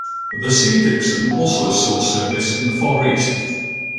The Sea Vixen also saw service in the Far East.